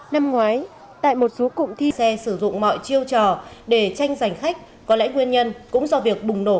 năm ngoái tại một số cụm thi xe sử dụng mọi chiêu trò để tranh giành khách có lẽ nguyên nhân cũng do việc bùng nổ các phương tiện